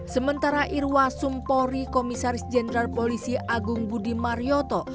sementara irwa sumpori komisaris jenderal polisi agung budi marioto